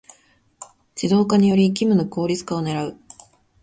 ⅱ 自動化により業務の効率化を狙う